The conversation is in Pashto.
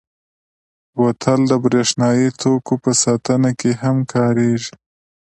بوتل د برېښنايي توکو په ساتنه کې هم کارېږي.